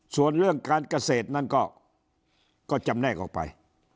ส่วนเรื่องการเกษตรนั้นก็จำแนกออกไป